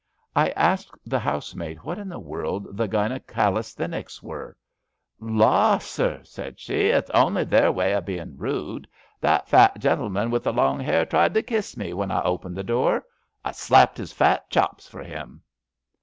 I asked the housemaid what in the world the Gynekalisthenics were. La, sir,'' said she, it's only their way of being rude. That fat gentle man with the long hair tried to kiss me when I opened the door. I slapped his fat chops for him."